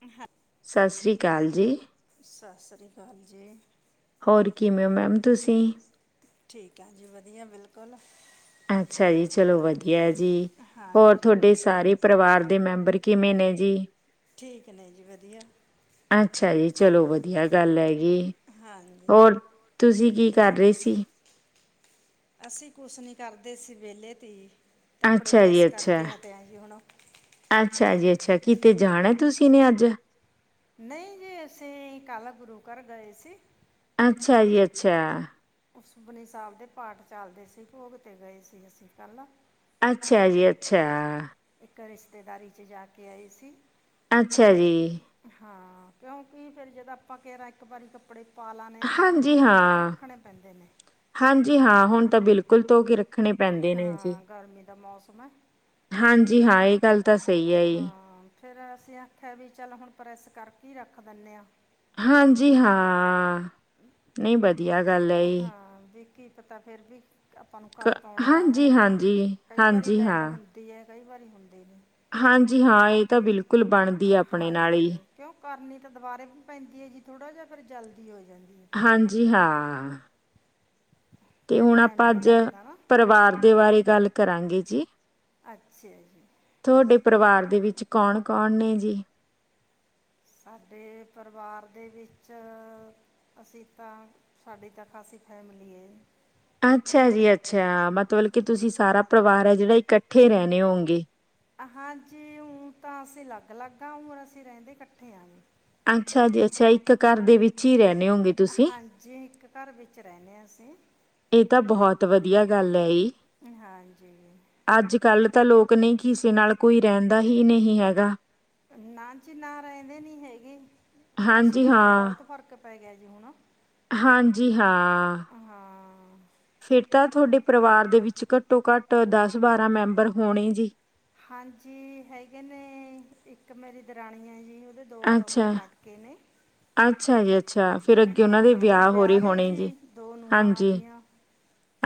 ਤੇ ਹਾਂ। ਸਤਿ ਸ਼੍ਰੀ ਅਕਾਲ ਜੀ। ਸਤਿ ਸ਼੍ਰੀ ਅਕਾਲ ਜੀ। ਹੋਰ ਕਿਵੇਂ ਹੋ ਮੈਮ ਤੁਸੀਂ? ਠੀਕ ਹੈ ਜੀ ਵਧੀਆ ਬਿਲਕੁਲ। ਅੱਛਾ ਜੀ ਚਲੋ ਵਧੀਆ ਜੀ, ਹੋਰ ਤੁਹਾਡੇ ਸਾਰੇ ਪਰਿਵਾਰ ਦੇ ਮੈਂਬਰ ਕਿਵੇਂ ਨੇ ਜੀ। ਠੀਕ ਨੇ ਜੀ ਵਧੀਆ। ਅੱਛਾ ਜੀ ਚਲੋ ਵਧੀਆ ਗੱਲ ਹੈਗੀ, ਹੋਰ। ਤੁਸੀਂ ਕੀ ਕਰ ਰਹੇ ਸੀ? ਅਸੀਂ ਕੁਛ ਨੀ ਕਰਦੇ ਸੀ ਵਿਹਲੇ ਤੀ, ਕੱਪੜੇ ਪ੍ਰੈੱਸ ਕਰਕੇ ਹਟਿਆ ਜੀ, ਹੁਣੋ। ਅੱਛਾ ਜੀ ਅੱਛਾ ਕਿਤੇ ਜਾਣਾ ਤੁਸੀਂ ਨੇ ਅੱਜ। ਨਹੀਂ ਜੀ ਅਸੀਂ ਕਾਲਾ ਗੁਰੂ ਘਰ ਗਏ ਸੀ। ਅੱਛਾ ਜੀ ਅੱਛਾ। ਸੁਖਮਨੀ ਸਾਹਿਬ ਦੇ ਪਾਠ ਚੱਲਦੇ ਸੀ ਭੋਗ 'ਤੇ ਗਏ ਸੀ ਅਸੀਂ ਪਹਿਲਾਂ। ਅੱਛਾ ਜੀ ਅੱਛਾ। ਇੱਕ ਰਿਸ਼ਤੇਦਾਰੀ 'ਚ ਜਾ ਕੇ ਆਏ ਸੀ। ਅੱਛਾ ਜੀ। ਹਾਂ ਕਿਉਂਕਿ ਫੇਰ ਜਦਾਂ ਆਪਾਂ ਕੇਡਾ ਇੱਕ ਵਾਰੀ ਕੱਪੜੇ ਪਾਲਾ ਨੇ ਉਹ ਧੋ ਕੇ ਤਾਂ ਰੱਖਣੇ ਪੈਂਦੇ ਨੇ। ਹਾਂਜੀ ਹਾਂ ਹੁਣ ਤਾਂ ਬਿਲਕੁਲ ਧੋ ਕੇ ਰੱਖਣੇ ਪੈਂਦੇ ਨੇ ਜੀ। ਹਾਂਜੀ ਹਾਂ ਇੱਕ ਗੱਲ ਤਾਂ ਸਹੀ। ਹਾਂ ਫੇਰ ਅਸੀਂ ਆਖਿਆ ਵੀ ਚੱਲ ਹੁਣ ਪ੍ਰੈੱਸ ਕਰਕੇ ਹੀ ਰੱਖ ਦਿੰਦੇ ਹਾਂ। ਹਾਂਜੀ ਹਾਂ ਨਹੀਂ ਬਧ- ਵਧੀਆ ਗੱਲ ਹੈ। ਹਾਂ ਵੀ ਕੀ ਪਤਾ ਫਿਰ ਵੀ ਆਪਾਂ ਨੂੰ ਕਦ ਪਾਉਣੇ ਆ ਜਾਣੇ ਕਈ ਵਾਰੀ ਲਾਈਟ ਹੁੰਦੀ ਆ ਕਈ ਵਾਰੀ ਹੁੰਦੀ ਨੀ। ਹਾਂਜੀ ਹਾਂ ਇਹ ਤਾਂ ਬਿਲਕੁਲ ਬਣਦੀ ਐ ਆਪਣੇ ਨਾਲ ਜੀ। ਕਿਉਂ ਕਰਨੀ ਤਾਂ ਦੁਬਾਰਾ ਵੀ ਪੈਂਦੀ ਐ ਜੀ ਥੋੜ੍ਹਾ ਜਿਹਾ ਫਿਰ ਜਲਦੀ ਹੋ ਜਾਂਦੀ ਐ। ਹਾਂਜੀ ਹਾਂ। ਤੇ ਹੁਣ ਆਪਾਂ ਅੱਜ ਪਰਿਵਾਰ ਦੇ ਬਾਰੇ ਗੱਲ ਕਰਾਂਗੇ ਜੀ। ਅੱਛਿਆ ਜੀ। ਤੁਹਾਡੇ ਪਰਿਵਾਰ ਦੇ ਵਿੱਚ ਕੌਣ ਕੌਣ ਨੇ ਜੀ? ਸਾਡੇ ਪਰਿਵਾਰ ਦੇ ਵਿੱਚ ਅਸੀਂ ਤਾਂ ਸਾਡੀ ਤਾਂ ਖਾਸੀ ਫੈਮਿਲੀ ਐ। ਅੱਛਾ ਜੀ ਅੱਛਾ ਮਤਲਬ ਕਿ ਤੁਸੀਂ ਸਾਰਾ ਪਰਿਵਾਰ ਐ ਜਿਹੜਾ ਇਕੱਠੇ ਰਹਿਣੇ ਓ ਗੇ। ਹਾਂਜੀ ਹੁਣ ਤਾਂ ਅਸੀਂ ਅਲੱਗ ਅਲੱਗ ਆ ਊ ਅਸੀਂ ਰਹਿੰਦੇ ਇਕੱਠੇ ਆ ਜੀ। ਅੱਛਾ ਜੀ ਅੱਛਾ ਇੱਕ ਘਰ ਦੇ ਵਿੱਚ ਹੀ ਰਹਿਣੇ ਓ ਗੇ। ਹਾਂਜੀ ਇੱਕ ਘਰ ਵਿੱਚ ਰਹਿਣੇ ਆ ਅਸੀਂ। ਏ ਤਾਂ ਬਹੁਤ ਵਧੀਆ ਗੱਲ ਐ ਜੀ। ਅੱਜ ਕੱਲ ਤਾਂ ਲੋਕ ਨਹੀਂ ਕਿਸੇ ਨਾਲ ਕੋਈ ਰਹਿੰਦਾ ਹੀ ਨਹੀਂ ਹੈਗਾ। ਨਾ ਜੀ ਨਾ ਰਹਿੰਦੇ ਨੀ ਹੈਗੇ ਮੌਸਮ ਏਦਾ ਬਹੁਤ ਫ਼ਰਕ ਪੈ ਗਿਆ ਜੀ ਹੁਣ। ਹਾਂਜੀ ਹਾਂ। ਫਿਰ ਤਾਂ ਤੁਹਾਡੇ ਪਰਿਵਾਰ ਦੇ ਵਿੱਚ ਘੱਟੋ ਘੱਟ ਦਸ ਬਾਰਾਂ ਮੈਂਬਰ ਹੋਣੇ ਜੀ। ਹਾਂਜੀ ਹੈਗੇ ਨੇ ਇੱਕ ਮੇਰੀ ਦਰਾਣੀ ਐ ਜੀ ਉਹਦੇ ਦੋ ਲੜਕੇ ਨੇ। ਅੱਛਾ ਜੀ ਅੱਛਾ ਫਿਰ ਅੱਗੇ ਉਹਨਾਂ ਦੇ ਵਿਆਹ ਹੋ ਰਹੇ ਹੋਣੇ ਜੀ ਹਾਂਜੀ।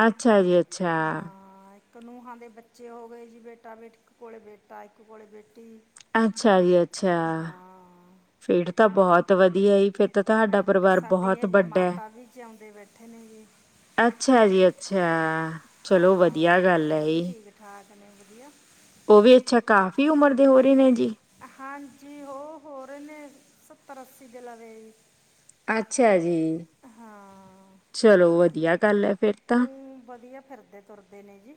ਅੱਛਾ ਜੀ ਅੱਛਾ। ਕ ਨੂੰਹਾਂ ਦੇ ਬੱਚੇ ਹੋ ਗਏ ਜੀ ਬੇਟਾ ਬੇ ਇੱਕ ਕੋਲੇ ਬੇਟਾ ਇੱਕ ਕੋਲੇ ਬੇਟੀ। ਅੱਛਾ ਜੀ ਅੱਛਾ ਫੇਰ ਤਾਂ ਬਹੁਤ ਵਧੀਆ ਫਿਰ ਤਾਂ ਤੁਹਾਡਾ ਪਰਿਵਾਰ ਬਹੁਤ ਵੱਡਾ। ਅੱਛਾ ਜੀ ਅੱਛਾ ਚਲੋ ਵਧੀਆ ਗੱਲ ਐ ਜੀ। ਠਾਕ ਨੇ ਵਧੀਆ। ਓ ਵੀ ਅੱਛਾ ਕਾਫ਼ੀ ਉਮਰ ਦੇ ਹੋ ਰਹੇ ਨੇ ਜੀ। ਹਾਂਜੀ ਓ ਹੋ ਰਹੇ ਨੇ ਸੱਤਰ ਅੱਸੀ ਦੇ ਲਵੇ ਜੀ। ਅੱਛਾ ਜੀ। ਹਾਂ। ਚਲੋ ਵਧੀਆ ਗੱਲ ਐ। ਊ ਵਧੀਆ ਫਿਰਦੇ ਤੁਰਦੇ ਨੇ ਜੀ।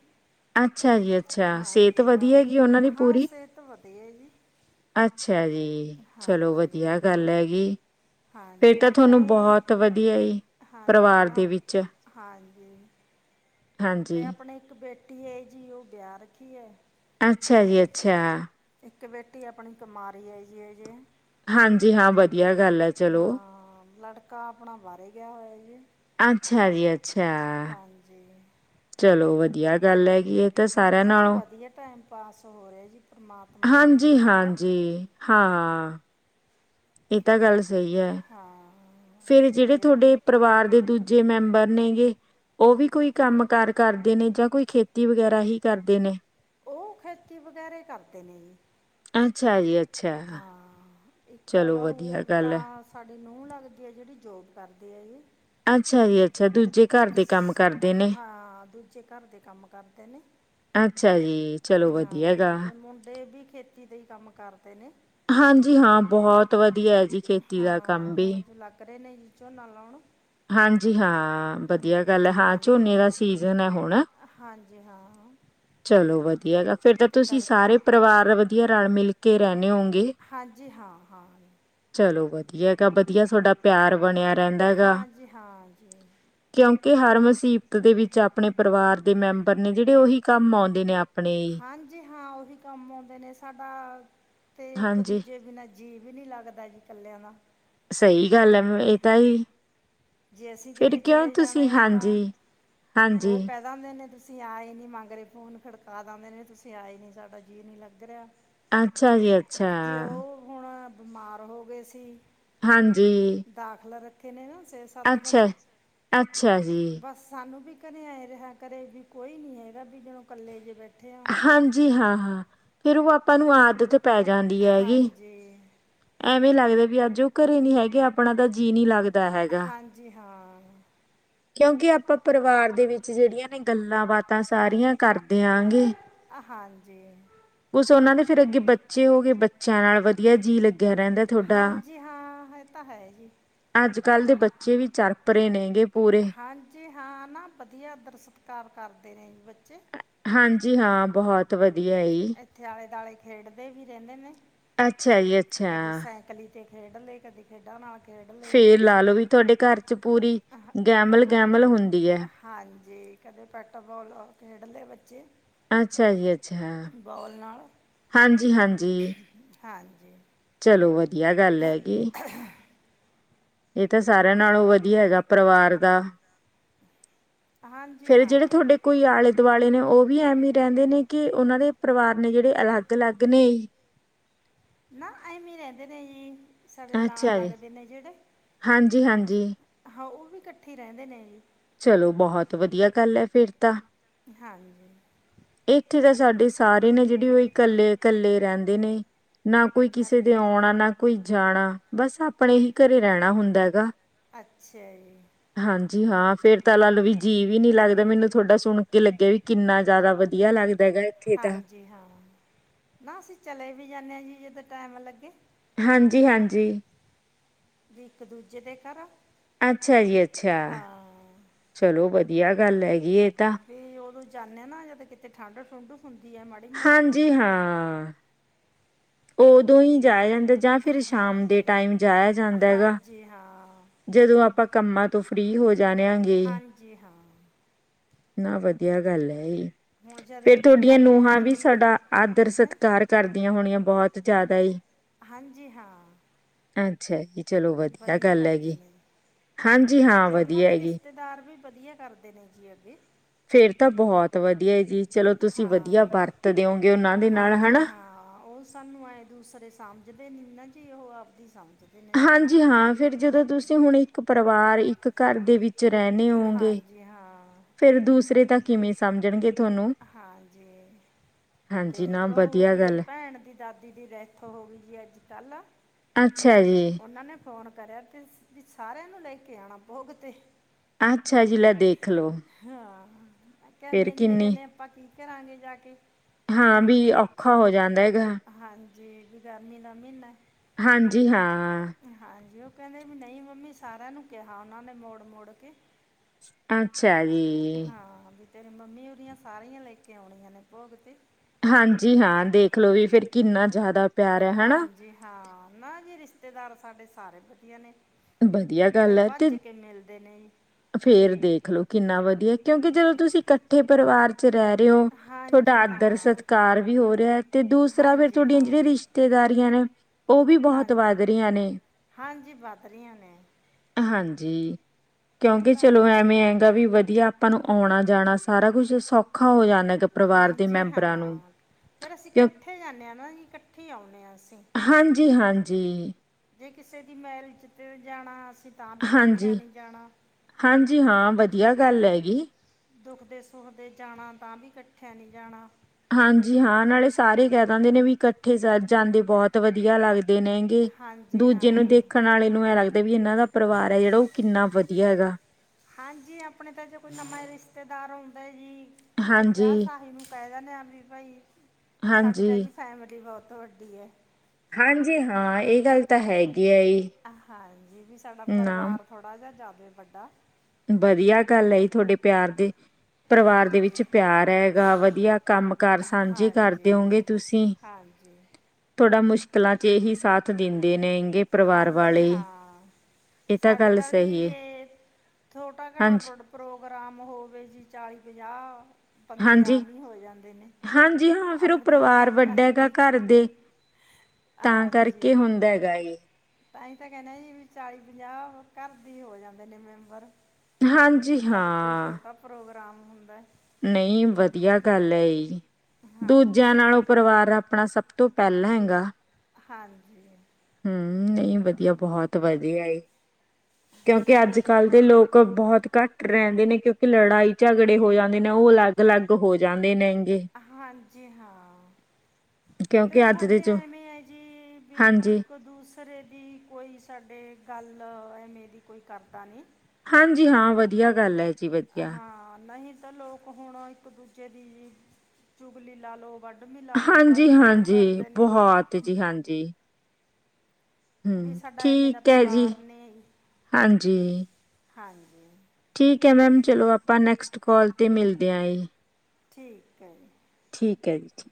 ਅੱਛਾ ਜੀ ਅੱਛਾ ਸਿਹਤ ਵਧੀਆ ਗੀ ਉਹਨਾਂ ਦੀ ਪੂਰੀ। ਅੱਛਾ ਜੀ ਚਲੋ ਵਧੀਆ ਗੱਲ ਐ ਗੀ। ਫੇਰ ਤਾਂ ਤੁਹਾਨੂੰ ਬਹੁਤ ਵਧੀਆ ਪਰਿਵਾਰ ਦੇ ਵਿੱਚ। ਹਾਂਜੀ। ਤੇ ਆਪਣੇ ਇੱਕ ਬੇਟੀ ਏ ਜੀ ਉਹ ਵਿਆਹ ਰੱਖੀ ਐ ਅੱਛਾ ਜੀ ਅੱਛਾ ਇੱਕ ਬੇਟੀ ਆਪਣੀ ਕਮਾਰੀ ਐ ਜੀ ਅਜੇ ਹਾਂਜੀ ਹਾਂ ਵਧੀਆ ਗੱਲ ਆ ਚਲੋ ਬੇਟਾ ਆਪਣਾ ਬਾਰੇ ਗਿਆ ਹੋਇਆ ਜੀ ਅੱਛਾ ਜੀ ਅੱਛਾ ਹਾਂਜੀ ਚਲੋ ਵਧੀਆ ਗੱਲ ਐ ਗੀ। ਨਾ ਵਧੀਆ ਟੈਮ ਪਾਸ ਹੋ ਰਿਹਾ ਜੀ ਹਾਂਜੀ-ਹਾਂਜੀ ਹਾਂ ਇਹ ਤਾਂ ਗੱਲ ਸਹੀ ਐ, ਫੇਰ ਜਿਹੜੇ ਥੋਡੇ ਪਰਿਵਾਰ ਦੇ ਦੂਜੇ ਮੈਂਬਰ ਨੇ ਗੇ ਉਹ ਵੀ ਕੋਈ ਕੰਮ ਕਾਰ ਕਰਦੇ ਨੇ ਜਾਂ ਕੋਈ ਖੇਤੀ ਵਗੈਰਾ ਹੀ ਕਰਦੇ ਨੇ ਉਹ ਖੇਤੀ ਵਗੈਰਾ ਹੀ ਕਰਦੇ ਨੇ ਜੀ ਅੱਛਾ ਜੀ ਅ ਹਾਂ, ਇੱਕ ਬਹੁ ਤਾਂ ਸਾਡੀ ਨੂੰਹ ਲੱਗਦੀ ਐ ਜਿਹੜੀ ਜੋਬ ਕਰਦੇ ਐ ਜੀ ਅੱਛਾ ਜੀ ਅੱਛਾ ਦੂਜੀ ਹਾਂ ਦੂਜੇ ਘਰ ਦੇ ਕੰਮ ਕਰਦੇ ਨੇ ਅੱਛਾ ਜੀ ਚਲ ਹਾਂ ਤੇ ਮੁੰਡੇ ਵੀ ਖੇਤੀ ਦੇ ਹੀ ਕੰਮ ਕਰਦੇ ਨੇ ਹਾਂਜੀ ਹਾਂ ਬਹੁਤ ਵਧੀਆ ਜੀ ਹਾਂ ਹੁਣ ਵੀ ਲੱਗ ਰਹੇ ਨੇ ਜੀ ਝੋਨਾ ਲਾਉਣ ਹਾਂਜੀ ਹਾਂ ਵਧੀਆ ਗੱਲ ਐ ਹਾਂ ਝੋਨੇ ਦਾ ਸੀਜ਼ਨ ਐ ਹੁਣ ਚਲੋ ਵਧੀਆ ਗਾ ਫਿਰ ਤਾਂ ਤੁਸੀਂ ਸਾਰੇ ਪਰਿਵਾਰ ਵਧੀਆ ਰਲ਼ ਮਿਲ ਕੇ ਰਹਿੰਨੇ ਔ ਗੇ ਹਾਂਜੀ ਹਾਂ-ਹਾਂ ਚਲੋ ਵਧੀਆ ਗਾ, ਵਧੀਆ ਸੋਡਾ ਪਿਆਰ ਬਣਿਆ ਹਾਂ ਜੀ ਹਾਂ ਜੀ, ਕਿਉਂਕਿ ਹਰ ਮੁਸੀਬਤ ਦੇ ਵਿੱਚ ਆਪਣੇ ਪਰਿਵਾਰ ਦੇ ਮੈਂਬਰ ਨੇ ਜਿਹੜੇ ਉਹੀ ਕੰਮ ਆਉਂਦੇ ਨੇ ਆਪ ਹਾਂਜੀ ਹਾਂ ਉਹੀ ਕੰਮ ਆਉਂਦੇ ਨੇ ਸਾਡਾ, ਤੇ ਇੱਕ ਦੂਜੇ ਬਿਨਾਂ ਜੀ ਵੀ ਨੀ ਲੱਗਦਾ ਜੀ ਕੱਲਿਆਂ ਦਾ ਸਹੀ ਗੱਲ ਐ ਮੈਂ ਇਹ ਤਾਂ ਜੀ ਜੇ ਅਸੀਂ ਕਿਤੇ ਚਲੇ ਜਾਣਾ ਐ ਤਾਂ ਔ ਕਹਿ ਕਹਿ ਦਿੰਦੇ ਨੇ ਤੁਸੀਂ ਆਏ ਨੀ ਮਗਰੇ ਫੋਨ ਖੜਕਾ ਦਿੰਦੇ ਨੇ ਤੁਸੀਂ ਆਏ ਨੀ ਸਾਡਾ ਜੀਅ ਨੀ ਲੱਗ ਰਿਆ ਅੱਛਾ ਜੀ ਅੱਛਾ ਹੁਣ ਬਿਮਾਰ ਹੋਗੇ ਸੀ। ਹਾਂਜੀ ਦਾਖਲ ਰੱਖੇ ਨੇ ਨਾ ਛੇ ਸੱਤ ਦਿਨ ਬਸ ਸਾਨੂੰ ਵੀ ਘਰੇ ਐ ਰਿਹਾ ਕਰੇ ਵੀ ਕੋਈ ਨੀ ਹੈਗਾ ਵੀ ਜਨੋ ਕੱਲੇ ਜੇ ਬੈਠੇ ਹਾਂਜੀ ਹਾਂ-ਹਾਂ, ਫਿਰ ਉਹ ਆਪਾਂ ਨੂੰ ਆਦਤ ਪੈ ਜਾਂਦੀ ਐ ਗੀ। ਤੇ ਐਵੇਂ ਲੱਗਦਾ ਵੀ ਅੱਜ ਉਹ ਘਰੇ ਨੀ ਹੈਗੇ ਆਪਣਾ ਤਾਂ ਜੀਅ ਨਹੀਂ ਲੱ ਹਾਂਜੀ ਹਾਂ, ਕਿਉਂਕਿ ਆਪਾਂ ਪਰਿਵਾਰ ਦੇ ਵਿੱਚ ਜਿਹੜੀਆਂ ਨੇ ਗੱਲਾਂ ਬਾਤਾਂ ਸਾਰੀਆਂ ਕਰਦੇ ਆਂ ਗੇ ਕੁਛ ਉਹਨਾਂ ਦੇ ਫਿਰ ਅੱਗੇ ਬੱਚੇ ਹੋਗੇ ਬੱਚਿਆਂ ਨਾਲ ਵਧੀਆ ਜੀਅ ਲੱ ਹਾਂਜੀ ਹਾਂ ਹੈ ਤਾਂ ਹੈ ਜੀ ਅੱਜ-ਕੱਲ੍ਹ ਦੇ ਬੱਚੇ ਵੀ ਚਰਪਰੇ ਨੇ ਗੇ ਪੂਰੇ ਹਾਂਜੀ ਹਾਂ ਨਾ ਵਧੀਆ ਆਦਰ ਸਤਿਕਾਰ ਕਰਦੇ ਨੇ ਜੀ ਬੱਚੇ ਹਾਂਜੀ ਹਾਂ ਬਹੁਤ ਤ ਵਧੀਆ ਐ ਜੀ। ਇੱਥੇ ਆਲੇ-ਦਾਲੇ ਖੇਡਦੇ ਵੀ ਰਹਿੰਦੇ ਨੇ। ਅੱਛਾ ਜੀ ਅੱਛਾ ਤੇ ਖੇਡ ਲ ਕਦੀ ਖੇਡਾਂ ਨਾਲ ਫੇਰ ਲਾ ਲਓ ਵੀ ਤੁਹਾਡੇ ਘਰ ਚ ਪੂਰੀ ਗੈਮਲ-ਗੈਮਲ ਹੁੰਦੀ ਹੈ। ਹਾਂਜੀ, ਕਦੇ ਪੈਟਬੋਲ ਖੇਡਦੇ ਬੱਚੇ ਅੱਛਾ ਜੀ ਅੱਛਾ ਹਾਂਜੀ-ਹਾਂਜੀ ਹਾਂਜੀ ਚਲੋ ਵਧੀਆ ਗੱਲ ਹੈਗੀ। ਇਹ ਤਾਂ ਸਾਰਿਆਂ ਨਾਲੋਂ ਵਧੀਆ ਹੈਗਾ, ਪਰਿਵਾਰ ਦਾ ਫੇਰ ਜਿਹੜੇ ਤੁਹਾਡੇ ਕੋਈ ਆਲੇ ਦੁਆਲੇ ਨੇ ਉਹ ਵੀ ਐਵੇ ਹੀ ਰਹਿੰਦੇ ਨੇ, ਕਿ ਉਹਨਾਂ ਦੇ ਪਰਿਵਾਰ ਨੇ ਜਿਹੜੇ ਅਲੱਗ-ਅਲੱਗ ਨੇ ਨਾ, ਐਵੀਂ ਰਹਿੰਦੇ ਨੇ ਜੀ ਸਾਡੇ ਨਾਲ ਲੱਗਦੇ ਨੇ, ਜਿਹੜੇ ਹਾਂ, ਉਹ ਵੀ ਇਕੱਠੇ ਰਹਿੰਦੇ ਨੇ ਜੀ ਚਲੋ ਬਹੁਤ ਵਧੀਆ ਗੱਲ ਹੈ। ਫਿਰ ਤਾਂ ਇੱਥੇ ਤਾਂ ਸਾਡੇ ਸਾਰੇ ਨੇ ਜਿਹੜੀ ਉਹੀ ਇਕੱਲੇ-ਇਕੱਲੇ ਰਹਿੰਦੇ ਨੇ। ਨਾ, ਕੋਈ ਕਿਸੇ ਦੇ ਆਉਣਾ ਨਾ ਕੋਈ ਜਾਣਾ, ਬਸ ਆਪਣੇ ਹੀ ਘਰੇ ਰਹਿਣਾ ਹੁੰਦਾ ਹੈਗਾ। ਅੱਛਾ ਜੀ। ਹਾਂਜੀ, ਹਾਂਫੇਰ ਤਾਂ ਲਾ ਲਓ ਵੀ ਜੀਅ ਵੀ ਨਹੀਂ ਲੱਗਦਾ ਮੈਨੂੰ ਥੋਡਾ ਸੁਣ ਲਗੇ ਲੱਗਿਆ ਵੀ ਕਿੰਨਾ ਜ਼ਿਆਦਾ ਵਧੀਆ ਲੱਗਦਾ ਹੈਗਾ। ਇੱਥੇ ਤਾਂ ਜੀ, ਹਾਂ ਨਾ ਅਸੀਂ ਚਲੇ ਵੀ ਜਾਂਦੇ ਹਾਂ। ਜੀ ਜਦੋਂ ਟਾਈਮ ਲੱਗੇ। ਹਾਂਜੀ-ਹਾਂਜੀ ਵੀ ਇੱਕ ਦੂਜੇ ਦੇ ਘਰ ਅੱਛਾ ਜੀ ਅੱਛਾ, ਚਲੋ ਵਧੀਆ ਗੱਲ ਹੈਗੀ, ਇਹ ਤਾਂ ਵੀ ਉਦੋਂ ਜਾਂਦੇ ਹਾਂ। ਨਾ ਜਦ ਕਿਤੇ ਠੰਡ ਠੁੰਡ ਹੁੰਦੀ ਹੈ। ਮਾੜੀ ਮੋਟੀ ਜੀ, ਹਾਂ। ਉਦੋਂ ਹੀ ਜਾਇਆ ਜਾਂਦਾ, ਜਾਂ ਫਿਰ ਸ਼ਾਮ ਦੇ ਟਾਈਮ ਜਾਇਆ ਜਾਂਦਾ ਹੈ। ਗਾ ਜਦੋਂ ਆਪਾਂ ਕੰਮਾਂ ਤੋਂ ਫ੍ਰਰੀ ਹੋ ਜਾਣੇ ਹਾ। ਹਾਂਜੀ, ਹਾਂ। ਨਾ ਵਧੀਆ ਗੱਲ ਹੈ। ਜੀ ਫੇਰ ਤੁਹਾਡੀਆਂ ਨੂੰਹਾਂ ਵੀ ਸਾਡਾ ਆਦਰ ਸਤਿਕਾਰ ਕਰਦੀਆਂ ਹੋਣੀਆਂ। ਹਾਂਜੀ, ਹਾਂ। ਅੱਛਾ ਜੀ ਚਲੋ ਵਧੀਆ ਗੱਲ ਹੈਗੀ। ਤੇ ਉਹਨਾਂ ਦੇ ਰਿਸ਼ਤੇਦਾਰ ਵੀ ਵਧੀਆ ਕਰਦੇ ਨੇ ਜੀ, ਅੱਗੇ ਫੇਰ ਤਾਂ ਬਹੁਤ ਵਧੀਆ ਜੀ, ਚਲੋ ਤੁਸੀਂ ਵਧੀਆ ਵਰਤ ਦਿਓਗੇ ਉਹਨਾਂ ਦੇ ਨਾਲ ਹਨਾ। ਸਾਨੂੰ ਐਂ ਦੂਸਰੇ ਸਮਝਦੇ ਨੀ ਨਾ ਜੀ ਉਹ ਆਪਦੀ ਸਮਝਦੇ। ਹਾਂਜੀ, ਹਾਂ ਫਿਰ ਜਦੋਂ ਤੁਸੀਂ ਹੁਣ ਇੱਕ ਪਰਿਵਾਰ ਇੱਕ ਘਰ ਦੇ ਵਿੱਚ ਰਹਿਣੇ ਹੋਗੇ। ਫੇਰ ਦੂਸਰੇ ਤਾਂ ਕਿਵੇਂ ਸਮਝਣਗੇ। ਹਾਂਜੀ। ਅਤੇ ਬਹੂ ਦੀ ਭੈਣ ਦੀ ਦਾਦੀ ਦੀ ਡੈਥ ਹੋ ਗਈ ਹੈ। ਅੱਜ ਕੱਲ੍ਹ ਅੱਛਾ ਜੀ। ਉਹਨਾਂ ਨੇ ਫ਼ੋਨ ਕਰਿਆ ਤੇ, ਵੀ ਸਾਰਿਆਂ ਨੂੰ ਲੈ ਕੇ ਆਉਣਾ ਭੋਗ ਤੇ ਅੱਛਾ ਜੀ ਲੈ ਦੇਖਲੋ ਹਾਂ, ਮੈ ਕਿਹਾ ਵੀ ਇੰਨੇ ਜਣੇ ਆਪਾਂ ਕੀ ਕਰਾਂਗੇ, ਜਾ ਕੇ ਹਾਂ, ਵੀ ਔਖਾ ਹੋ ਜਾਂਦਾ ਹੈਗਾ। ਹਾਂਜੀ, ਵੀ ਗਰਮੀ ਦਾ ਮਹੀਨਾ ਹਾਂਜੀ, ਹਾਂ। ਹਾਂਜੀ, ਉਹ ਕਹਿੰਦੇ ਵੀ ਨਹੀਂ ਮੰਮੀ ਸਾਰਿਆਂ ਨੂੰ ਕਿਹਾ, ਉਹਨਾਂ ਨੇ ਮੋੜ -ਮੋੜ ਕੇ ਅੱਛਾ ਜੀ। ਹਾਂ ਵੀ ਤੇਰੇ ਮੰਮੀ, ਉਹਦੀਆਂ ਸਾਰੀਆਂ ਲੈ ਕੇ ਆਉਣੀਆਂ ਨੇ ਭੋਗ 'ਤੇ ਹਾਂਜੀ ਹਾਂ ਦੇਖਲੋ, ਵੀ ਫਿਰ ਕਿੰਨਾ ਜ਼ਿਆਦਾ ਹਾਂਜੀ ਹਾਂ, ਨਾ ਜੀ ਰਿਸ਼ਤੇਦਾਰ ਸਾਡੇ ਸਾਰੇ ਵਧੀਆ ਨੇ, ਵਧੀਆ ਗੱਲ ਏ, ਤੇ ਕਿ ਮਿਲਦੇ ਨੇ, ਫੇਰ ਦੇਖਲੋ, ਕਿੰਨਾ ਵਧੀਆ ਕਿਉਂਕਿ, ਜਦੋਂ ਤੁਸੀਂ ਇਕੱਠੇ ਪਰਿਵਾਰ ਜੇ ਰਹਿ ਰਹੇ ਹੋ, ਤੁਹਾਡਾ ਆਦਰ ਸਤਿਕਾਰ ਵੀ ਹੋ ਰਿਹਾ ਤੇ, ਦੂਸਰਾ ਫੇਰ, ਤੁਹਾਡੀਆਂ ਜਿਹੜੀਆਂ ਰਿਸ਼ ਰਿਸ਼ਤੇਦਾਰੀਆਂ ਨੇ, ਉਹ ਵੀ ਬਹੁਤ ਵੱਧ ਰਹੀਆਂ ਨੇ, ਹਾਂਜੀ। ਕਿਉਂਕਿ ਚਲੋ, ਐਵੇਂ ਹੈਗਾ ਵੀ ਵਧੀਆ ਆਪਾਂ ਨੂੰ, ਆਉਣਾ -ਜਾਣਾ ਸਾਰਾ ਕੁਛ ਸੌਖਾ ਹੋ ਜਾਂਦਾ ਹਾਂਜੀ, ਹਾਂ। ਫਿਰ ਅਸੀਂ, ਇਕੱਠੇ ਜਾਂਦੇ ਹਾਂ ਨਾ, ਜੀ ਇਕੱਠੇ ਆਉਦੇ ਹਾਂ ਅਸੀਂ ਜੇ ਕਿਸੇ ਦੀ ਮੇਰਿਜ ਤੇ, ਜਾਣਾ ਅਸੀਂ ਤਾਂ ਵੀ, ਇਕੱਠਿਆਂ ਨੇ ਜਾਣਾ ਹਾਂਜੀ ਹਾਂ, ਵਧੀਆ ਗੱਲ ਹੈਗੀੀ ਦੁਖ ਦੇ- ਸੁਖ ਦੇ ਜਾਣਾ ਤਾਂ ਵੀ, ਇਕੱਠਿਆਂ ਨਹੀਂ ਜਾਣਾ ਹਾਂਜੀ ਹਾਂ, ਨਾਲੇ ਸਾਰੇ ਕਹਿ ਦਿੰਦੇ ਨੇ ਵੀ, ਇਕੱਠੇ ਜਾਂਦੇ, ਬਹੁਤ ਵਧੀਆ ਲੱਗਦੇ ਨੇ, ਦੂਜੇ ਨੂੰ, ਦੇਖਣ ਵਾਲੇ ਨੂੰ ਐਂ ਲਗਦਾ ਵੀ ਇਹਨਾਂ, ਦਾ ਪਰਿਵਾਰ ਹੈ ਜਿਹੜਾ ਉਹ, ਕਿੰਨਾ ਵਧੀਆ ਹੈਗਾ ਹਾਂਜੀ, ਆਪਣੇ ਤਾਂ ਜੇ ਕੋਈ ਨਵਾਂ ਰਿਸ਼ਤੇਦਾਰ ਆਉਂਦਾ ਹੈ ਜੀ, ਕਿਸੇ ਵਿਆਹ ਸਾਦੀ ਨੂੰ ਕਹਿ ਦਿੰਦੇ ਹ ਵੀ ਭਾਈ, ਸਾਡੀ ਤਾਂ ਇਹ ਜੀ ਫੈਮਿਲੀ, ਬਹੁਤ ਵੱਡੀ ਹੈ ਹਾਂਜੀ, ਹਾਂ ਇਹ ਗੱਲ ਤਾਂ, ਹੈਗੀ ਹੈ ਜ ਹਾਂਜੀ, ਵੀ ਸਾਡਾ ਪਰਿਵਾਰ ਥੋੜ੍ਹਾ ਜਿਹਾ ਜ਼ਿਆਦਾ, ਵੱਡਾ ਵਧੀਆ ਗੱਲ ਹੈ ਜੀ, ਤੁਹਾਡੇ ਪਿਆਰ ਦੀ ਪਰਿਵਾਰ ਦੇ ਵਿੱਚ ਪਿਆਰ ਹੈਗਾ, ਵਧੀਆ ਕੰਮ ਕਾਰ ਸਾਂਝੇ ਕਰਦੇ ਹੋਗੇ ਤੁਸੀਂ ਹਾਂਜੀ। ਥੋੜ੍ਹਾ ਮੁਸ਼ਕਲਾਂ ਚ, ਇਹ ਹੀ ਸਾਥ ਦਿੰਦੇ ਨੇ ਗੇ ਹਾਂਜੀ ਹਾਂ, ਸਾਡੇ ਤਾਂ ਵੀ ਜੇ ਛੋਟਾ ਘਣਾ ਪ੍ਰੋ ਪ੍ਰੋਗਰਾਮ ਹੋਵੇ ਜੀ, ਚਾਲੀ ਪੰਜਾਹ ਬੰਦੇ, ਆਮ ਹੀ ਹੋ ਜਾਂਦੇ ਨੇ, ਹਾਂਜੀ, ਹੁਣ ਫਿਰ ਉਹ ਪਰਿਵਾਰ ਵੱਡਾ ਹੈਗਾ, ਘਰ ਦੀ ਤਾਂ ਕਰਕੇ, ਹੁੰਦਾ ਹੈਗਾ ਏ, ਤਾਂਹੀ ਤਾਂ ਕਹਿੰਦਾ, ਜੀ ਵੀ ਚਾਲੀ ਪੰਜਾਹ ਘਰ ਦੀ ਹੋ ਜਾਂਦੇ ਨੇ ਮੈਂਬਰ ਜਦ ਕੋਈ, ਛੋਟਾ ਪ੍ਰੋਗਰਾਮ ਹੁੰਦਾ ਨਹੀਂ, ਵਧੀਆ ਗੱਲ ਹੈ ਹੀ, ਦੂਜਿਆਂ ਨਾਲੋਂ ਪਰਿਵਾਰ ਆਪਣਾ, ਸਭ ਤੋਂ ਪਹਿਲਾਂ ਹੈਗਾ ਹਾਂਜੀ। ਹਮ, ਨਹੀਂ ਬੱਚਿਆ ਬਹੁਤ ਵਧੀਆ ਈ ਕਿਉਂਕਿ, ਅੱਜ -ਕੱਲ੍ਹ ਦੇ ਲੋਕ ਬਹੁਤ ਘੱਟ ਰਹਿੰਦੇ ਨੇ, ਕਿਉਂਕਿ, ਲੜਾਈ ਝਗੜੇ ਹੋ ਜਾਂਦੇ ਨੇ, ਉਹ ਅਲੱਗ -ਅਲੱਗ ਹੋ ਜਾਂਦੇ ਨੇ, ਹਾਂਜੀ, ਹਾਂ। ਫੇਰ, ਸਾਡੇ ਐਵੇਂ ਹੈ ਜੀ ਵੀ ਇੱਕ ਦੂਸਰੇ ਸਰ ਇਹਦੀ ਕੋਈ, ਸਾਡੇ ਗੱਲ ਐਵੇਂ ਦੀ ਕੋਈ ਕਰਦਾ ਨਹੀਂ ਹਾਂਜੀ, ਹਾਂ ਵਧੀਆ ਗੱਲ ਐ ਹਾਂ, ਨਹੀਂ ਤਾਂ ਲੋਕ ਹੁਣ, ਇੱਕ -ਦੂਜੇ ਦੀ ਜੀ ਚੁਗਲੀ ਲਾਲੋ ਵੱਡ ਹੜ ਮਲਾ ਲਓ, ਬੜੀ ਜਿਆਦਾ ਕਰਦੇ ਨੇ। ਵੀ ਸਾਡਾ ਐਵੇਂ ਦਾ ਪਰਿਵਾਰ ਨੇ ਹਾਂਜੀ। ਠੀਕ ਹੈ ਮੈਮ, ਚਲੋ ਆਪਾਂ ਨੈਕਸਟ ਕੋਲ 'ਤੇ ਮਿਲਦੇ ਹਾਂ ਜੀ। ਠੀਕ ਹੈ ਜੀ। ਠੀਕ ਹੈ ਜੀ।